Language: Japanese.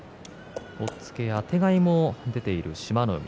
押っつけ、あてがいも出ている志摩ノ海。